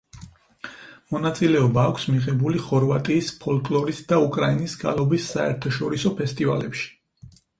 მონაწილეობა აქვს მიღებული ხორვატიის ფოლკლორის და უკრაინის გალობის საერთაშორისო ფესტივალებში.